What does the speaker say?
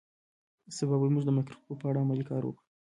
سبا به موږ د مایکروسکوپ په اړه عملي کار وکړو